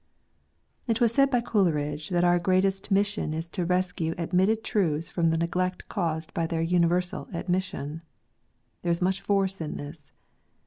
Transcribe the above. r was said by Coleridge that our greatest mission is to rescue admitted truths from the neglect caused by their universal admission. There is much force in this.